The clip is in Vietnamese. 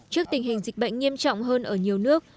trước tình hình dịch bệnh nghiêm trọng hơn ở nhiều nước